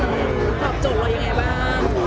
ตอบโจทย์เรายังไงบ้าง